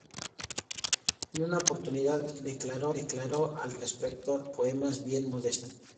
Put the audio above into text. En una oportunidad Georgette declaró al respecto: “Poemas, bien modestos.